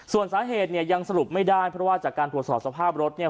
ส่วนสาเหตุเนี่ยยังสรุปไม่ได้เพราะว่าจากการตรวจสอบสภาพรถเนี่ย